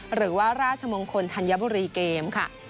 หรือว่าราชมงคลธัญบุรีเกมค่ะ